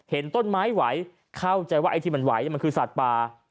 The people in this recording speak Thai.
ต้นไม้ไหวเข้าใจว่าไอ้ที่มันไหวมันคือสัตว์ป่า